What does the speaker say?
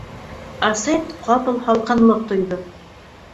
Асет ҡапыл һалҡынлыҡ тойҙо.